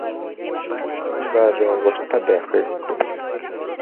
কী বাজে অবস্থা দেখো একটু।